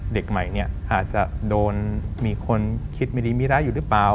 เด็กใหม่เนี่ยอาจจะโดนมีคนคิดไม่ดีมีร้ายอยู่หรือเปล่า